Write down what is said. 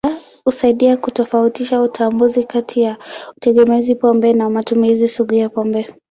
Husaidia kutofautisha utambuzi kati ya utegemezi pombe na matumizi sugu ya pombe.